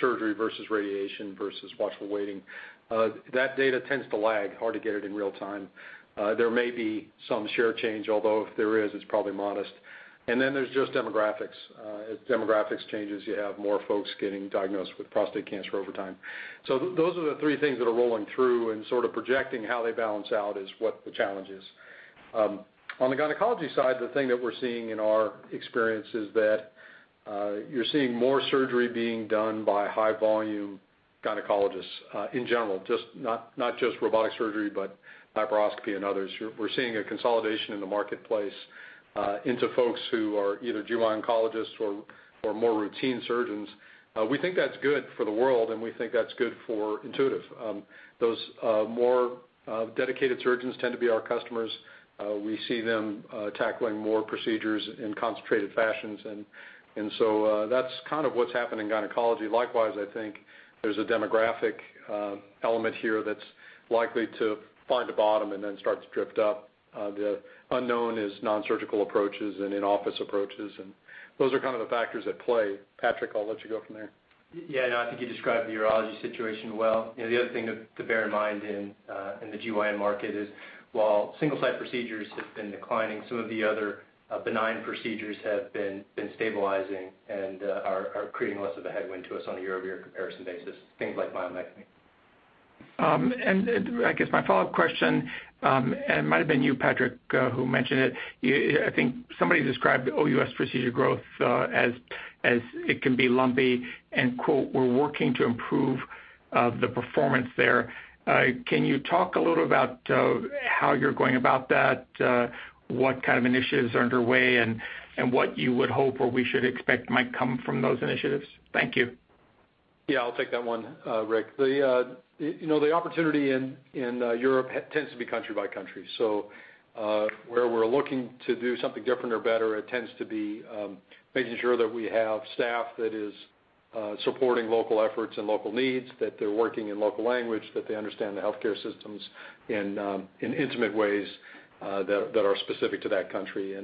surgery versus radiation versus watchful waiting. That data tends to lag. Hard to get it in real time. There may be some share change, although if there is, it's probably modest. There's just demographics. As demographics changes, you have more folks getting diagnosed with prostate cancer over time. Those are the three things that are rolling through, and sort of projecting how they balance out is what the challenge is. On the gynecology side, the thing that we're seeing in our experience is that you're seeing more surgery being done by high-volume gynecologists in general, not just robotic surgery, but laparoscopy and others. We're seeing a consolidation in the marketplace into folks who are either GYN oncologists or more routine surgeons. We think that's good for the world, and we think that's good for Intuitive. Those more dedicated surgeons tend to be our customers. We see them tackling more procedures in concentrated fashions, that's kind of what's happened in gynecology. Likewise, I think there's a demographic element here that's likely to find a bottom and then start to drift up. The unknown is nonsurgical approaches and in-office approaches, those are kind of the factors at play. Patrick, I'll let you go from there. Yeah, no, I think you described the urology situation well. The other thing to bear in mind in the GYN market is while single-site procedures have been declining, some of the other benign procedures have been stabilizing and are creating less of a headwind to us on a year-over-year comparison basis, things like myomectomy. I guess my follow-up question, and it might have been you, Patrick, who mentioned it. I think somebody described OUS procedure growth as it can be lumpy, and quote, "We're working to improve the performance there." Can you talk a little about how you're going about that? What kind of initiatives are underway, and what you would hope or we should expect might come from those initiatives? Thank you. I'll take that one, Rick. The opportunity in Europe tends to be country by country. Where we're looking to do something different or better, it tends to be making sure that we have staff that is supporting local efforts and local needs, that they're working in local language, that they understand the healthcare systems in intimate ways that are specific to that country.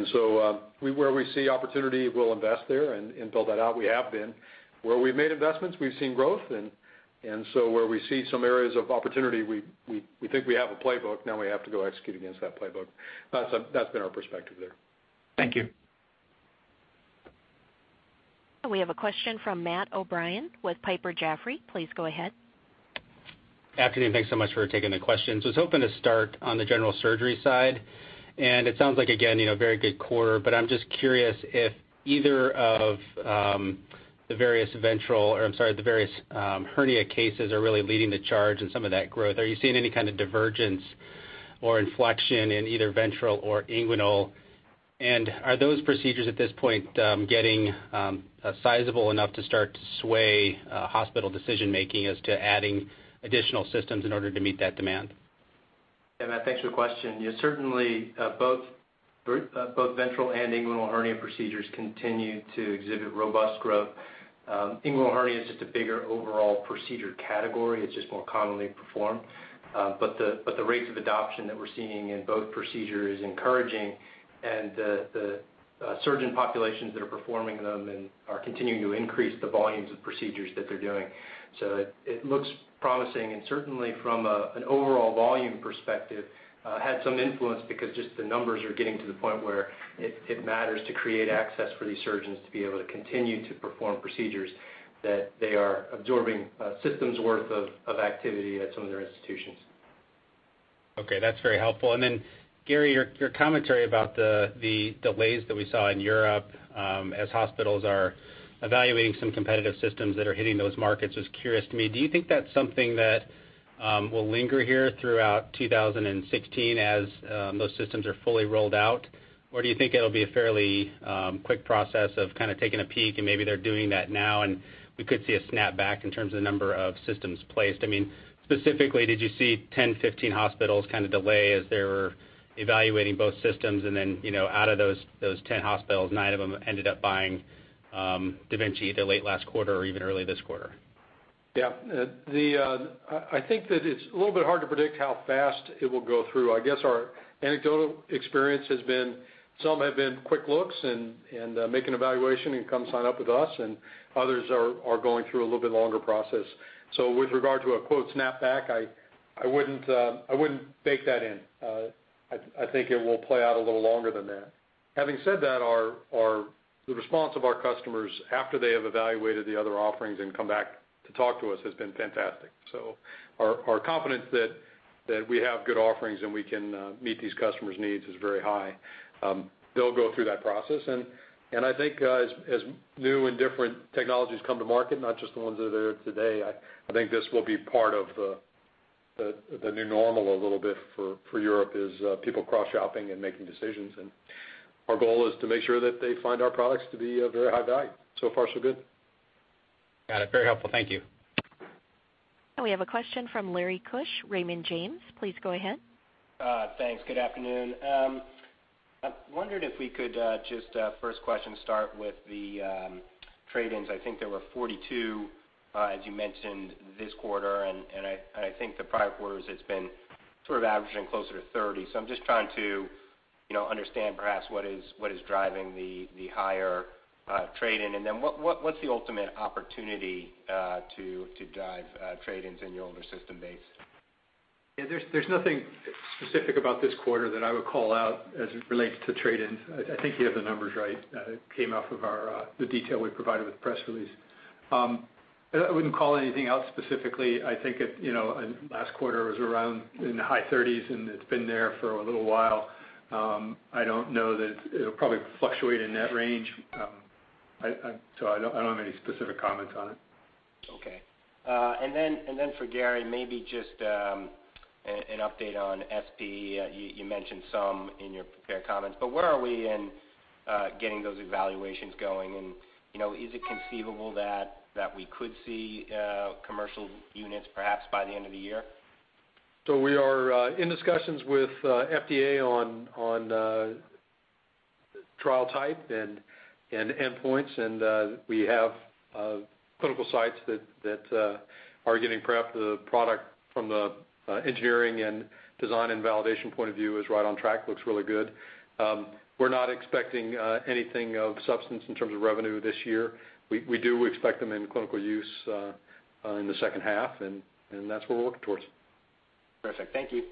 Where we see opportunity, we'll invest there and build that out. We have been. Where we've made investments, we've seen growth, and so where we see some areas of opportunity, we think we have a playbook. Now we have to go execute against that playbook. That's been our perspective there. Thank you. We have a question from Matthew O'Brien with Piper Jaffray. Please go ahead. Afternoon. Thanks so much for taking the questions. I was hoping to start on the general surgery side. It sounds like, again, very good quarter. I'm just curious if either of the various ventral, or I'm sorry, the various hernia cases are really leading the charge in some of that growth. Are you seeing any kind of divergence or inflection in either ventral or inguinal? Are those procedures at this point getting sizable enough to start to sway hospital decision-making as to adding additional systems in order to meet that demand? Matt, thanks for the question. Certainly both ventral and inguinal hernia procedures continue to exhibit robust growth. Inguinal hernia is just a bigger overall procedure category. It's just more commonly performed. The rates of adoption that we're seeing in both procedures is encouraging. The surgeon populations that are performing them and are continuing to increase the volumes of procedures that they're doing. It looks promising, and certainly from an overall volume perspective, had some influence because just the numbers are getting to the point where it matters to create access for these surgeons to be able to continue to perform procedures that they are absorbing a systems worth of activity at some of their institutions. Okay, that's very helpful. Gary, your commentary about the delays that we saw in Europe as hospitals are evaluating some competitive systems that are hitting those markets is curious to me. Do you think that's something that will linger here throughout 2016 as those systems are fully rolled out? Do you think it'll be a fairly quick process of kind of taking a peek, and maybe they're doing that now, and we could see a snap back in terms of the number of systems placed? Specifically, did you see 10, 15 hospitals kind of delay as they were evaluating both systems? Out of those 10 hospitals, nine of them ended up buying da Vinci either late last quarter or even early this quarter? Yeah. I think that it's a little bit hard to predict how fast it will go through. I guess our anecdotal experience has been some have been quick looks and make an evaluation and come sign up with us, and others are going through a little bit longer process. With regard to a, quote, "snap back," I wouldn't bake that in. I think it will play out a little longer than that. Having said that, the response of our customers after they have evaluated the other offerings and come back to talk to us has been fantastic. Our confidence that we have good offerings and we can meet these customers' needs is very high. They'll go through that process. I think as new and different technologies come to market, not just the ones that are there today, this will be part of the new normal a little bit for Europe is people cross-shopping and making decisions. Our goal is to make sure that they find our products to be of very high value. So far, so good. Got it. Very helpful. Thank you. We have a question from Larry Biegelsen, Raymond James. Please go ahead. Thanks. Good afternoon. I wondered if we could just, first question, start with the trade-ins. I think there were 42 as you mentioned this quarter, and I think the prior quarters it's been sort of averaging closer to 30. I'm just trying to understand perhaps what is driving the higher trade-in, and then what's the ultimate opportunity to drive trade-ins in your older system base? Yeah, there's nothing specific about this quarter that I would call out as it relates to trade-ins. I think you have the numbers right. It came off of the detail we provided with the press release. I wouldn't call anything out specifically. I think last quarter was around in the high 30s, and it's been there for a little while. It'll probably fluctuate in that range. I don't have any specific comments on it. Okay. Then for Gary, maybe just an update on da Vinci SP. You mentioned some in your prepared comments, but where are we in getting those evaluations going? Is it conceivable that we could see commercial units perhaps by the end of the year? We are in discussions with FDA on trial type and endpoints, and we have clinical sites that are getting prepped. The product from the engineering and design and validation point of view is right on track, looks really good. We're not expecting anything of substance in terms of revenue this year. We do expect them in clinical use in the second half, and that's what we're working towards. Perfect. Thank you.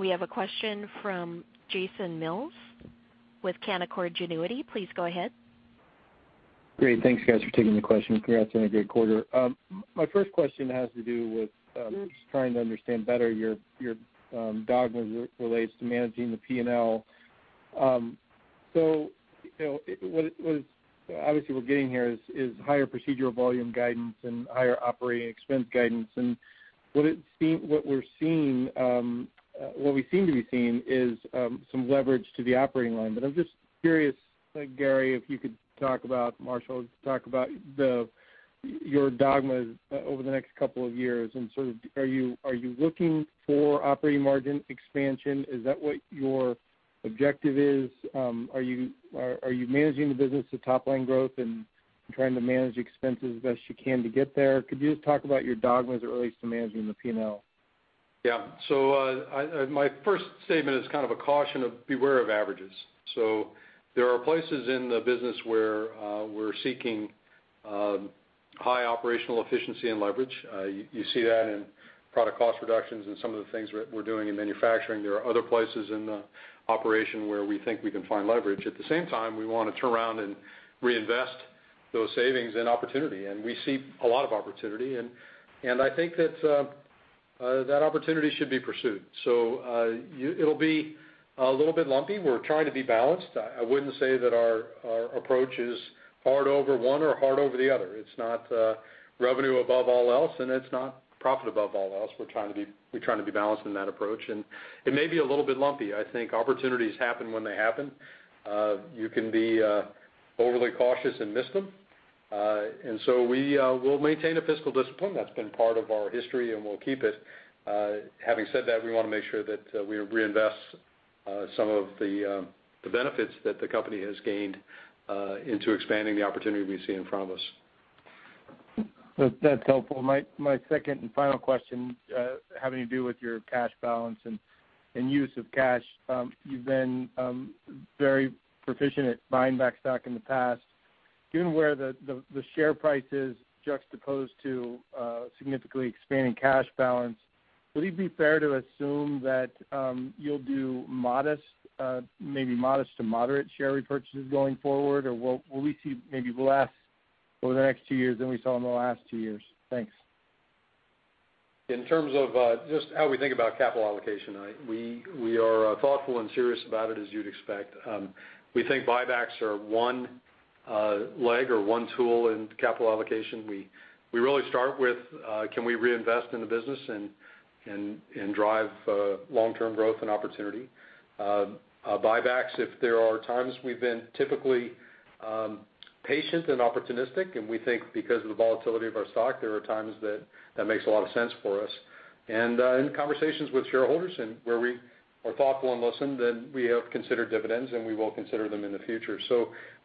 We have a question from Jason Mills with Canaccord Genuity. Please go ahead. Great. Thanks, guys, for taking the question. Congrats on a great quarter. My first question has to do with just trying to understand better your dogma as it relates to managing the P&L. Obviously, what we're getting here is higher procedural volume guidance and higher operating expense guidance. What we seem to be seeing is some leverage to the operating line. I'm just curious, Gary, if you could talk about, Marshall, talk about your dogmas over the next couple of years and sort of are you looking for operating margin expansion? Is that what your objective is? Are you managing the business to top-line growth and trying to manage expenses as best you can to get there? Could you just talk about your dogmas as it relates to managing the P&L? Yeah. My first statement is kind of a caution of beware of averages. There are places in the business where we're seeking high operational efficiency and leverage. You see that in product cost reductions and some of the things we're doing in manufacturing. There are other places in the operation where we think we can find leverage. At the same time, we want to turn around and reinvest those savings and opportunity, and we see a lot of opportunity, and I think that opportunity should be pursued. It'll be a little bit lumpy. We're trying to be balanced. I wouldn't say that our approach is hard over one or hard over the other. It's not revenue above all else, and it's not profit above all else. We're trying to be balanced in that approach, and it may be a little bit lumpy. I think opportunities happen when they happen. You can be overly cautious and miss them. We will maintain a fiscal discipline. That's been part of our history, and we'll keep it. Having said that, we want to make sure that we reinvest some of the benefits that the company has gained into expanding the opportunity we see in front of us. That's helpful. My second and final question, having to do with your cash balance and use of cash. You've been very proficient at buying back stock in the past. Given where the share price is juxtaposed to significantly expanding cash balance, would it be fair to assume that you'll do modest, maybe modest to moderate share repurchases going forward? Or will we see maybe less over the next two years than we saw in the last two years? Thanks. In terms of just how we think about capital allocation, we are thoughtful and serious about it, as you'd expect. We think buybacks are one leg or one tool in capital allocation. We really start with, can we reinvest in the business and drive long-term growth and opportunity? Buybacks, if there are times we've been typically patient and opportunistic, and we think because of the volatility of our stock, there are times that makes a lot of sense for us. In conversations with shareholders and where we are thoughtful and listen, then we have considered dividends, and we will consider them in the future.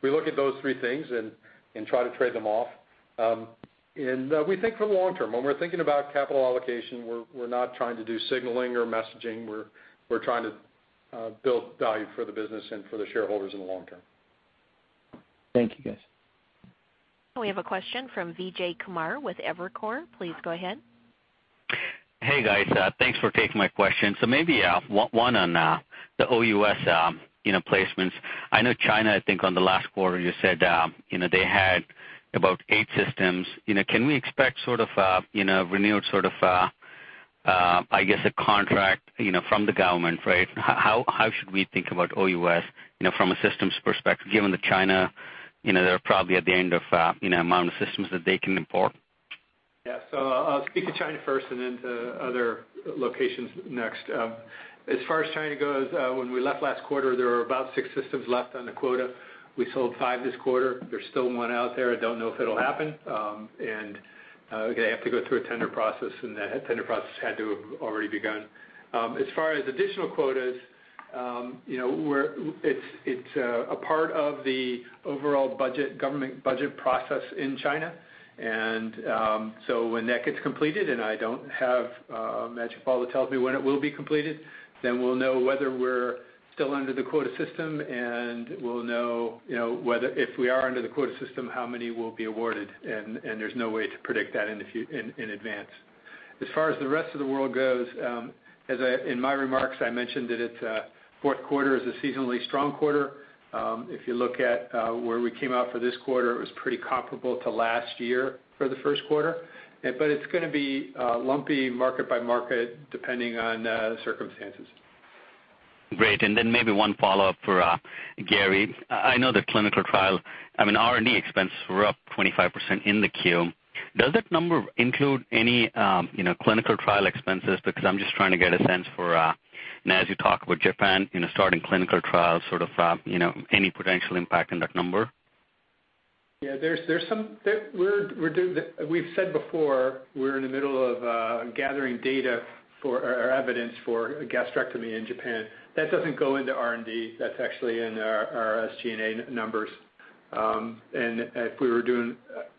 We look at those three things and try to trade them off. We think for the long term. When we're thinking about capital allocation, we're not trying to do signaling or messaging. We're trying to build value for the business and for the shareholders in the long term. Thank you, guys. We have a question from Vijay Kumar with Evercore. Please go ahead. Hey, guys. Thanks for taking my question. Maybe one on the OUS placements. I know China, I think on the last quarter, you said they had about eight systems. Can we expect sort of a renewed sort of, I guess, a contract from the government, right? How should we think about OUS from a systems perspective, given that China, they're probably at the end of amount of systems that they can import? Yeah. I'll speak to China first and then to other locations next. As far as China goes, when we left last quarter, there were about six systems left on the quota. We sold five this quarter. There's still one out there. I don't know if it'll happen. They have to go through a tender process, and that tender process had to have already begun. As far as additional quotas, it's a part of the overall government budget process in China. When that gets completed, and I don't have a magic ball that tells me when it will be completed, then we'll know whether we're still under the quota system, and we'll know, if we are under the quota system, how many will be awarded. There's no way to predict that in advance. As far as the rest of the world goes, in my remarks, I mentioned that fourth quarter is a seasonally strong quarter. If you look at where we came out for this quarter, it was pretty comparable to last year for the first quarter. It's going to be lumpy market by market, depending on circumstances. Great. Maybe one follow-up for Gary. I know the clinical trial, I mean, R&D expense were up 25% in the Q. Does that number include any clinical trial expenses? I'm just trying to get a sense for, now as you talk about Japan starting clinical trials sort of any potential impact in that number? Yeah, we've said before, we're in the middle of gathering data or evidence for gastrectomy in Japan. That doesn't go into R&D. That's actually in our SG&A numbers. If we were doing,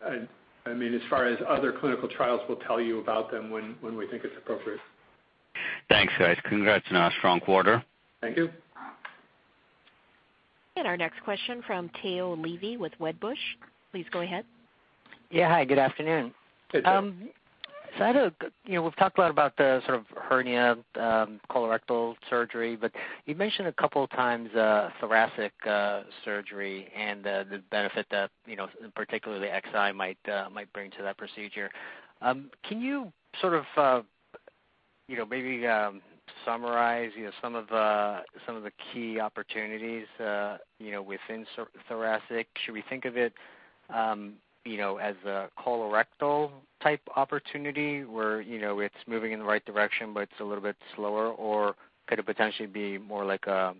as far as other clinical trials, we'll tell you about them when we think it's appropriate. Thanks, guys. Congrats on a strong quarter. Thank you. Our next question from Tao Levy with Wedbush. Please go ahead. Hi, good afternoon. Hey, Tao. I know we've talked a lot about the sort of hernia colorectal surgery, but you mentioned a couple of times thoracic surgery and the benefit that particularly Xi might bring to that procedure. Can you sort of maybe summarize some of the key opportunities within thoracic? Should we think of it as a colorectal type opportunity where it's moving in the right direction but it's a little bit slower, or could it potentially be more like a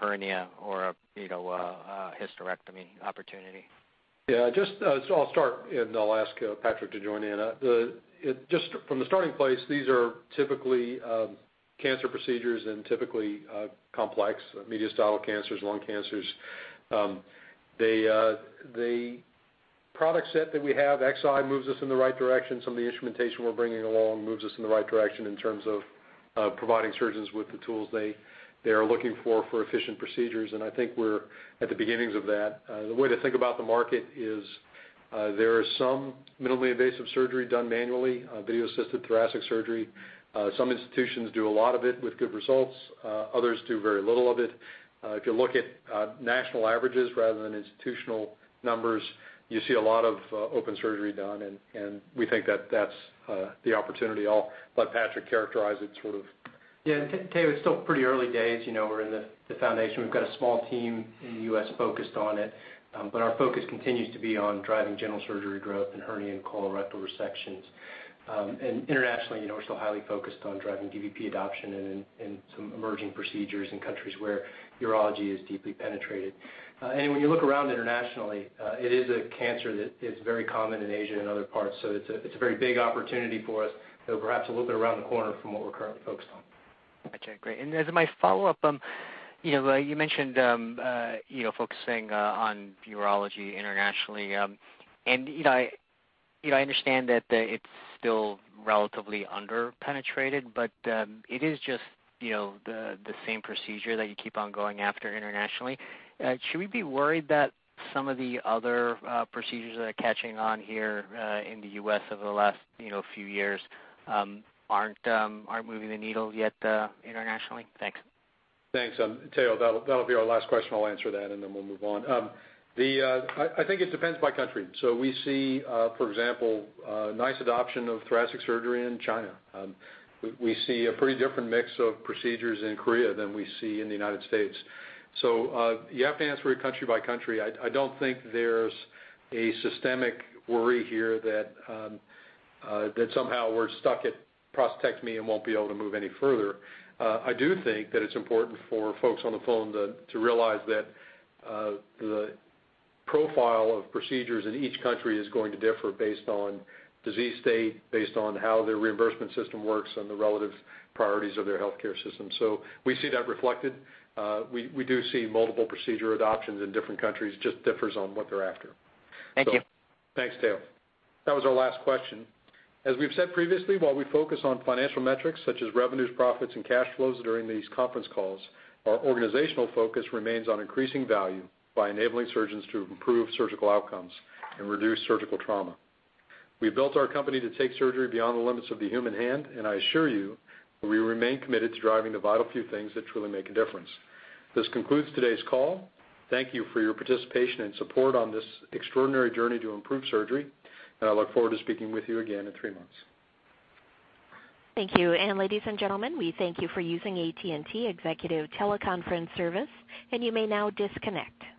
hernia or a hysterectomy opportunity? Yeah. I'll start. I'll ask Patrick to join in. Just from the starting place, these are typically cancer procedures and typically complex mediastinal cancers, lung cancers. The product set that we have, Xi, moves us in the right direction. Some of the instrumentation we're bringing along moves us in the right direction in terms of providing surgeons with the tools they are looking for efficient procedures, and I think we're at the beginnings of that. The way to think the market is there is some minimally invasive surgery done manually, video-assisted thoracic surgery. Some institutions do a lot of it with good results. Others do very little of it. If you look at national averages rather than institutional numbers, you see a lot of open surgery done, and we think that's the opportunity. I'll let Patrick characterize it sort of. Yeah. Tao, it's still pretty early days. We're in the foundation. We've got a small team in the U.S. focused on it. Our focus continues to be on driving general surgery growth in hernia and colorectal resections. Internationally, we're still highly focused on driving DVP adoption and some emerging procedures in countries where urology is deeply penetrated. When you look around internationally, it is a cancer that is very common in Asia and other parts. It's a very big opportunity for us, though perhaps a little bit around the corner from what we're currently focused on. Okay, great. As my follow-up, you mentioned focusing on urology internationally. I understand that it's still relatively under-penetrated, but it is just the same procedure that you keep on going after internationally. Should we be worried that some of the other procedures that are catching on here in the U.S. over the last few years aren't moving the needle yet internationally? Thanks. Thanks. Tao, that'll be our last question. I'll answer that, and then we'll move on. I think it depends by country. We see, for example, nice adoption of thoracic surgery in China. We see a pretty different mix of procedures in Korea than we see in the U.S. You have to answer it country by country. I don't think there's a systemic worry here that somehow we're stuck at prostatectomy and won't be able to move any further. I do think that it's important for folks on the phone to realize that the profile of procedures in each country is going to differ based on disease state, based on how their reimbursement system works, and the relative priorities of their healthcare system. We see that reflected. We do see multiple procedure adoptions in different countries, just differs on what they're after. Thank you. Thanks, Tao. That was our last question. As we've said previously, while we focus on financial metrics such as revenues, profits, and cash flows during these conference calls, our organizational focus remains on increasing value by enabling surgeons to improve surgical outcomes and reduce surgical trauma. We built our company to take surgery beyond the limits of the human hand, and I assure you, we remain committed to driving the vital few things that truly make a difference. This concludes today's call. Thank you for your participation and support on this extraordinary journey to improve surgery, and I look forward to speaking with you again in three months. Thank you. Ladies and gentlemen, we thank you for using AT&T Teleconference Service, and you may now disconnect.